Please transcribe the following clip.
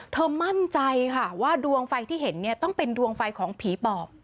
มั่นใจค่ะว่าดวงไฟที่เห็นเนี่ยต้องเป็นดวงไฟของผีปอบ